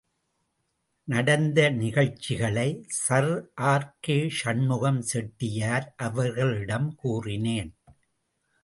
நடந்த நிகழ்ச்சிகளை சர் ஆர்.கே.சண்முகம் செட்டியார் அவர்களிடம் கூறினேன்.